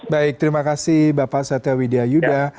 baik terima kasih bapak satya widya yuda